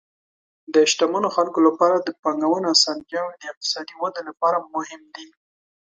د شتمنو خلکو لپاره د پانګونې اسانتیاوې د اقتصادي ودې لپاره مهم دي.